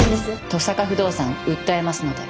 登坂不動産訴えますので。